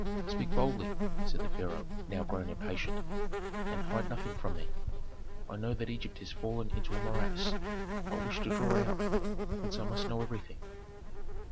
"Speak boldly," said the pharaoh, now grown impatient, "and hide nothing from me. I know that Egypt has fallen into a morass; I wish to draw it out, hence I must know everything."